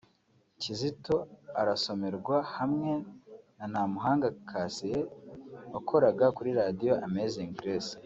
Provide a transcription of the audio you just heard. Kizito arasomerwa hamwe na Ntamuhanga Cassien wakoraga kuri Radio Amazing Grace